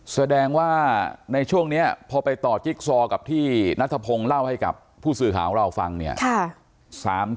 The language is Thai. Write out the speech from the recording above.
แสดงว่าในช่วงนี้พอไปต่อจิ๊กซอดกับที่นัทพงอเมียเล่าให้กับผู้สื่อขาของเราทำฟัง